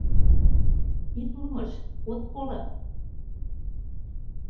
Ит урмыж, от коло.